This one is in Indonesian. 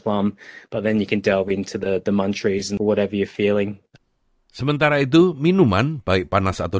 apa yang lebih baik daripada memiliki buah buahan juga